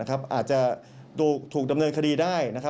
อาจจะถูกดำเนินคดีได้นะครับ